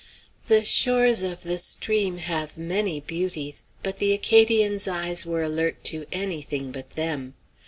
The shores of the stream have many beauties, but the Acadian's eyes were alert to any thing but them.